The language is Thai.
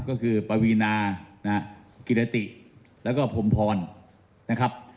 ก็คือปวีนานะฮะกิรติแล้วก็พรมพรนะครับ